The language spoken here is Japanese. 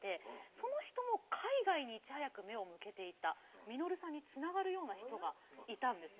その人も海外にいち早く目を向けていた稔さんにつながるような人がいたんです。